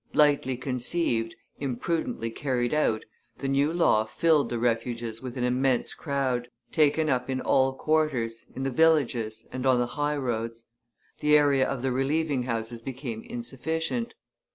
Lightly conceived, imprudently carried out, the new law filled the refuges with an immense crowd, taken up in all quarters, in the villages, and on the high roads; the area of the relieving houses became insufficient.